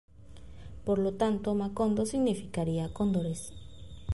Por lo tanto, Macondo significaría ‘cóndores’.